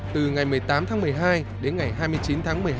từ ngày một mươi tám tháng một mươi hai đến ngày hai mươi chín tháng một mươi hai